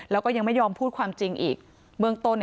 แล้วก็ยังไม่ยอมพูดความจริงอีกเบื้องต้น